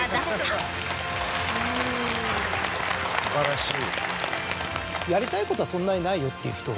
素晴らしい。